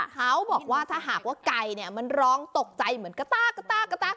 เขาบอกว่าถ้าหากว่าไก่มันร้องตกใจเหมือนกระต้ากระต้ากระตาก